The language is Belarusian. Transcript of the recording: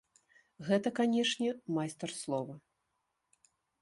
Гэта, канешне, майстар слова.